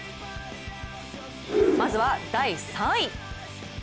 まずは第３位。